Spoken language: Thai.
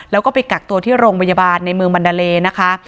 แล้วก็ไปกักตัวที่โรงพยาบาลในเมืองบรรดาเลนะคะ